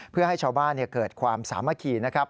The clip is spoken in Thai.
เพื่อให้ชาวบ้านเกิดความสามัคคีนะครับ